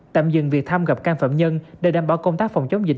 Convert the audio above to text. tạm dừng việc tham gặp căn phạm nhân để đảm bảo công tác phòng chống dịch